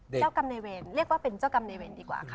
เจ้ากรรมในเวรเรียกว่าเป็นเจ้ากรรมในเวรดีกว่าค่ะ